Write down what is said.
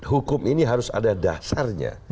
hukum ini harus ada dasarnya